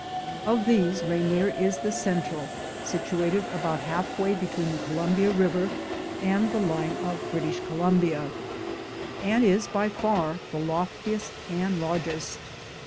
Of these Rainier is the central, situated about half way between the Columbia River and the line of British Columbia, and is by far the loftiest and largest.